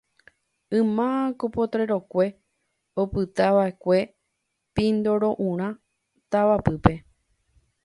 Yma ku potrero-kue opytava'ekue Pindoru'ã tavapýpe.